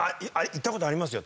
行ったことありますよ